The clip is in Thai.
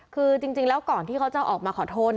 คือจริงแล้วก่อนที่เขาจะออกมาขอโทษ